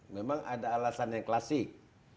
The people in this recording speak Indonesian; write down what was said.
memang ada alasannya klasik